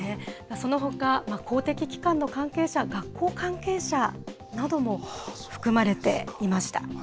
そのほか、公的機関の関係者、学校関係者なども含まれていました。